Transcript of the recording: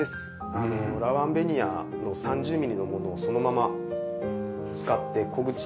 ラワンベニヤの３０ミリのものをそのまま使って木口を見せて。